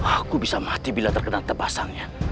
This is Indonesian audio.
aku bisa mati bila terkena sangnya